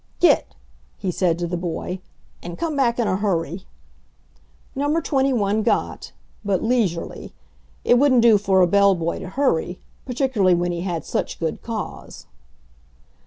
"Git!" he said to the boy. "And come back in a hurry." Number Twenty one got but leisurely. It wouldn't do for a bell boy to hurry, particularly when he had such good cause.